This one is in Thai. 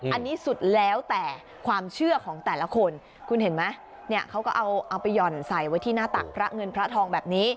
อันนี้สุดแล้วแต่ความเชื่อของแต่ละคนคุณเห็นไหมเนี่ยเขาก็เอาไปหย่อนใส่ไว้ที่หน้าตักพระเงินพระทองแบบนี้